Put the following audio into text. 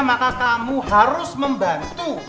maka kamu harus membantu